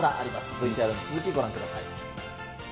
ＶＴＲの続き、ご覧ください。